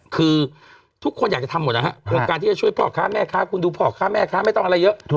คือทุกคนอยากจะทำหมดนะครับโครงการที่จะช่วยพ่อค้าแม่ค้าคุณดูพ่อค้าแม่ค้าไม่ต้องอะไรเยอะ